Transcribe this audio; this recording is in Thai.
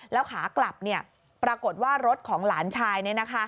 แล้วขากลับปรากฏว่ารถของหลานชาย